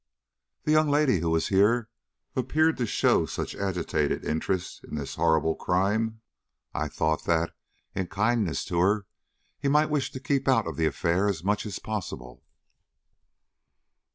"The young lady who was here appeared to show such agitated interest in this horrible crime, I thought that, in kindness to her, he might wish to keep out of the affair as much as possible."